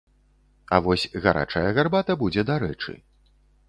А вось гарачая гарбата будзе дарэчы.